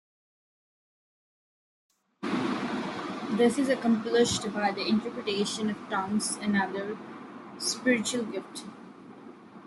This is accomplished by the interpretation of tongues, another spiritual gift.